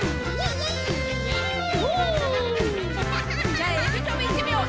じゃあエビとびいってみよう。